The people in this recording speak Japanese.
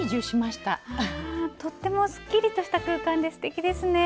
とってもすっきりとした空間ですてきですね。